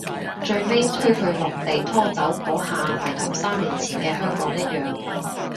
最尾推佢落地拖走嗰下咪同三年前嘅香港一樣